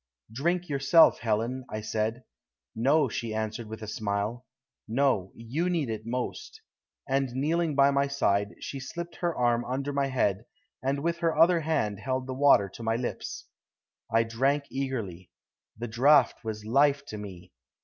"'Drink, yourself, Helen,' I said. "'No,' she answered, with a smile. 'No, you need it most.' And kneeling by my side, she slipped her arm under my head, and with her other hand held the water to my lips. "I drank eagerly. The draught was life to me.